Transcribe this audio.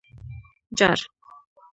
_جار!